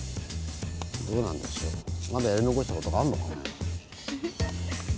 どうなんでしょうまだやり残した事があるのかね？